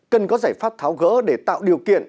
cần có giải pháp tháo gỡ để tạo điều kiện